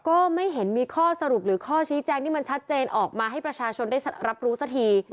ก็ไม่เห็นมีข้อสรุปหรือข้อชี้แจงที่มันชัดเจนออกมาให้ประชาชนได้รับรู้สักที